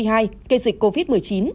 gây dịch covid một mươi chín